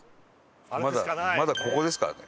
まだまだここですからね。